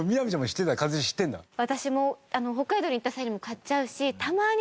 でも私も北海道に行った際にも買っちゃうしたまーに